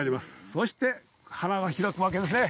そして、花が開くわけですね。